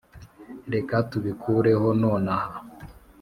reka tubikureho nonaha.